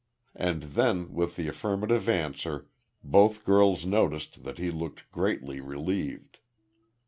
And then, with the affirmative answer, both girls noticed that he looked greatly relieved.